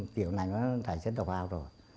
kiểu này nó phải chết độc hào rồi